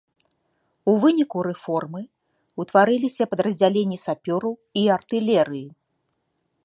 У выніку рэформы ўтварыліся падраздзяленні сапёраў і артылерыі.